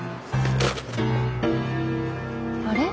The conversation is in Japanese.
あれ？